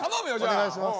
お願いします。